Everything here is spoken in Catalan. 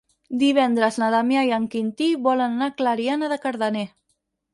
Divendres na Damià i en Quintí volen anar a Clariana de Cardener.